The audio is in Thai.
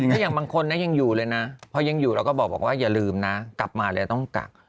ถ้าอย่างบางคนนะยังอยู่เลยนะพอยังอยู่เราก็บอกว่าอย่าลืมนะกลับมาเลยต้องกัก